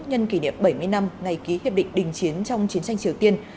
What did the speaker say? nhân kỷ niệm bảy mươi năm ngày ký hiệp định đình chiến trong chiến tranh triều tiên